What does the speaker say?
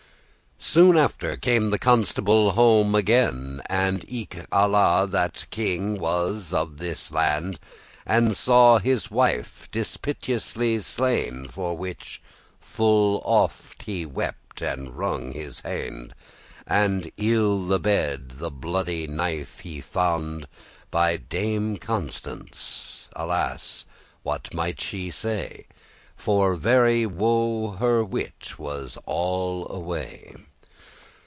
Soon after came the Constable home again, And eke Alla that king was of that land, And saw his wife dispiteously* slain, *cruelly For which full oft he wept and wrung his hand; And ill the bed the bloody knife he fand By Dame Constance: Alas! what might she say? For very woe her wit was all away.